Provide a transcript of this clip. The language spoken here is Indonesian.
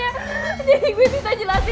jadi gue bisa jelasin